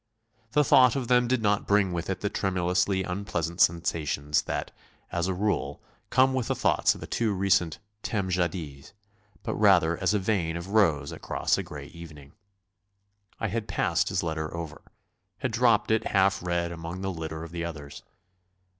The thought of them did not bring with it the tremulously unpleasant sensations that, as a rule, come with the thoughts of a too recent temps jadis, but rather as a vein of rose across a gray evening. I had passed his letter over; had dropped it half read among the litter of the others.